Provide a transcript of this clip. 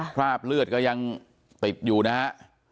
คราบเลือดก็ยังติดอยู่นะฮะ